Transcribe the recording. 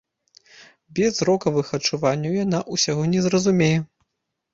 Без зрокавых адчуванняў яна ўсяго не зразумее.